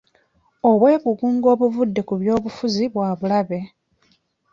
Obwegugungo obuvudde ku byobufuzi bwa bulabe.